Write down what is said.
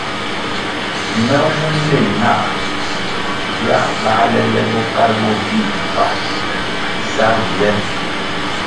Me wumʼ leh nah viā bāle le bokalʼ bo vii mbpa sa riye.